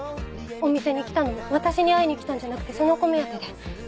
お店に来たのも私に会いにきたんじゃなくてその子目当てで。